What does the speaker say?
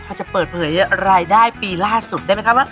จะเปิดเผยรายได้ปีล่าสุดได้ไหมคะว่า